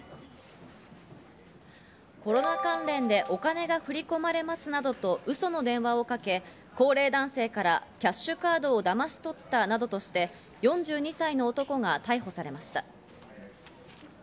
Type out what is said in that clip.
コロナ関連でお金が振り込まれますなどとウソの電話をかけ、高齢男性からキャッシュカードをだまし取ったなどとして、４２歳の男が逮捕されました。